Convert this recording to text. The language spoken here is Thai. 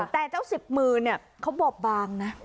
แต่เจ้าสิบมือเนี่ยเขาบอบบางนะ